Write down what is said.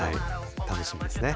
楽しみですね。